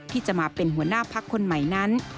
ที่จะมาเป็นหัวหน้าพักคนใหม่นั้น